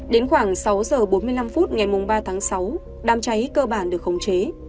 đến khoảng sáu giờ bốn mươi năm phút ngày ba tháng sáu đám cháy cơ bản được khống chế